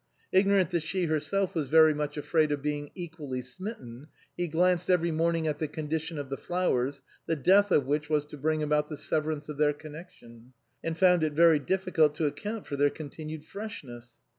Ignorant that she herself was very much afraid of being equally smitten, he glanced every morning at the condition of the flowers, the death of which was to bring about the severance of their connection, and found it very difficult to account for their continued freshness.